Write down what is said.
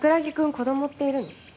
子供っているの？